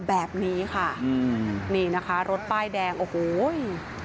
แบบนี้ค่ะอืมนี่นะคะรถป้ายแดงโอ้โห